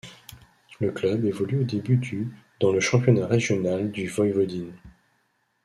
Le club évolue au début du dans le championnat régional de Voïvodine.